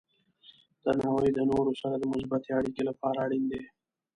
درناوی د نورو سره د مثبتې اړیکې لپاره اړین دی.